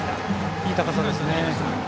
いい高さですね。